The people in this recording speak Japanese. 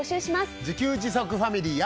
自給自足ファミリーや。